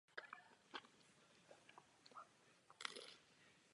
Dalšími oblíbenými sporty jsou baseball a basketbal.